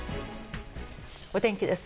お天気です。